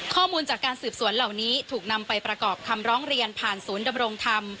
ข้อมูลจากการสืบสวนเหล่านี้ถูกนำไปประกอบคำร้องเรียนผ่านศูนย์ดำรงธรรม